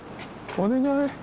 お願い。